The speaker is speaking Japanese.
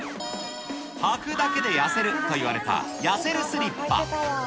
履くだけで痩せるといわれたやせるスリッパ。